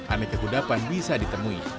aneh kegudapan bisa ditemui